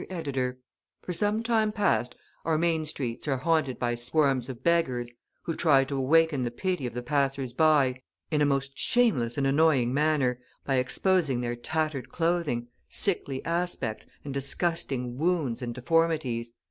EDITOR, For some time past our main streets are haunted by swarms of beggars, who try to awaken the pity of the passers by in a most shameless and annoying manner, by exposing their tattered clothing, sickly aspect, and disgusting wounds and deformities.